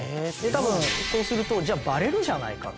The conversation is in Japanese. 多分そうするとじゃあバレるじゃないかと。